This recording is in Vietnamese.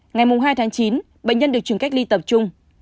ngày hai tháng chín bệnh nhân được chuyển cách ly tập trung